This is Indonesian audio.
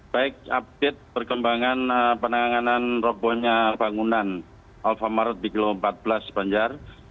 baik update perkembangan penanganan robohnya bangunan alphamart di kilo empat belas banjar